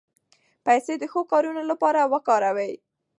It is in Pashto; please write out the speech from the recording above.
پیسې د ښو کارونو لپاره وکاروئ.